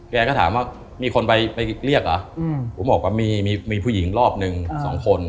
แกก็ถามว่ามีคนไปเรียกเหรอผมบอกว่ามีมีผู้หญิงรอบหนึ่งสองคน